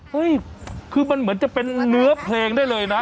เฮ้ยคือมันเหมือนจะเป็นเนื้อเพลงได้เลยนะ